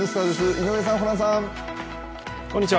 井上さん、ホランさん。